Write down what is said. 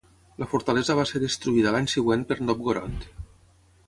La fortalesa va ser destruïda l'any següent per Novgorod.